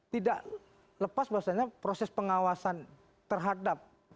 tidak lepas bahwasannya proses pengawasan terhadap